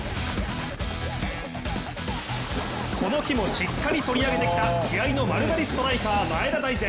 この日もしっかりそり上げてきた気合いの丸刈りストライカー、前田大然。